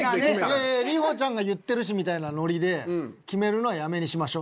いやいや里帆ちゃんが言ってるしみたいなノリで決めるのはやめにしましょ。